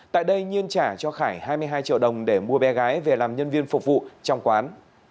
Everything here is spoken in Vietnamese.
tại đây nhiên trả cho khải hai mươi hai triệu đồng để mua bé gái về làm nhân viên phục vụ trong quán